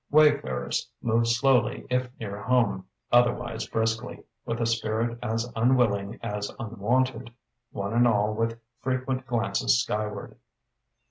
Wayfarers moved slowly if near home, otherwise briskly, with a spirit as unwilling as unwonted: one and all with frequent glances skyward.